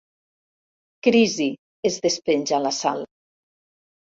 Crisi, es despenja la Sal.